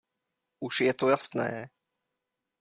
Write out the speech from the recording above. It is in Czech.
Už je to jasné.